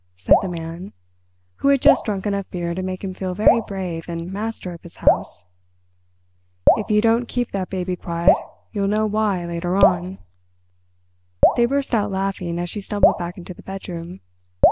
said the Man, who had just drunk enough beer to make him feel very brave and master of his house. "If you don't keep that baby quiet you'll know why later on." They burst out laughing as she stumbled back into the bedroom.